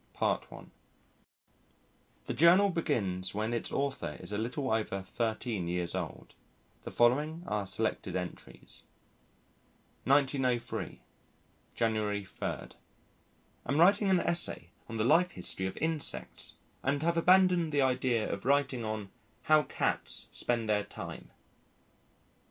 PART I THE JOURNAL BEGINS WHEN ITS AUTHOR IS A LITTLE OVER 13 YEARS OLD. [The Following are Selected Entries.] 1903 January 3. Am writing an essay on the life history of insects and have abandoned the idea of writing on "How Cats Spend their Time."